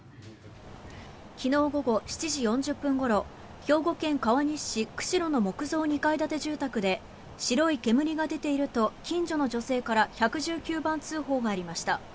昨日午後７時４０分ごろ兵庫県川西市久代の木造２階建て住宅で白い煙が出ていると近所の女性から１１９番通報がありました。